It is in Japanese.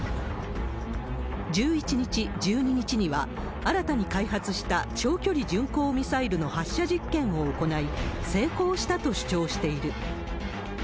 １１日、１２日には新たに開発した長距離巡航ミサイルの発射実験を行い、成功したと主張している。